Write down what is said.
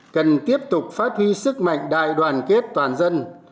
cần tiếp tục phát huy sức mạnh đại đoàn kết toàn dân